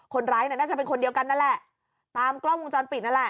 คนร้ายเนี่ยน่าจะเป็นคนเดียวกันนั่นแหละตามกล้องวงจรปิดนั่นแหละ